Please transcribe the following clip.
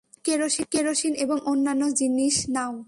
Kerosene এবং অন্যান্য জিনিস নাও।